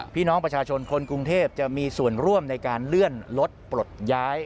พี่น้องประชาชนคนกรุงเทพจะมีส่วนร่วมในการเลื่อนรถปลดย้าย